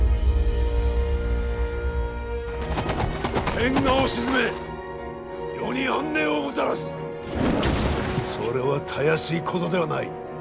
天下を鎮め世に安寧をもたらすそれはたやすいことではない。